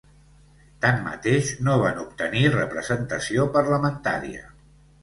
Tanmateix, no van obtenir representació parlamentària.